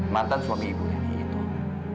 mantan suami ibu lenny itu